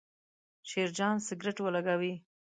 شیرجان سګرېټ ولګاوې.